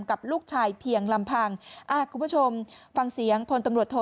กับลูกชายเพียงลำพังอ่าคุณผู้ชมฟังเสียงพลตำรวจโท